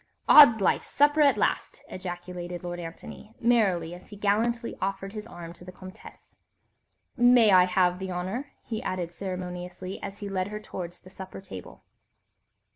"Odd's my life, supper at last!" ejaculated Lord Antony, merrily, as he gallantly offered his arm to the Comtesse. "May I have the honour?" he added ceremoniously, as he led her towards the supper table.